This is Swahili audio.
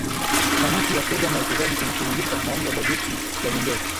kamati ya fedha na uwekezaji inashughulikia maombi ya bajeti ya nyongeza